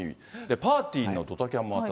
パーティーのドタキャンもあったと。